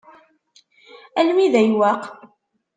Alma d ayweq?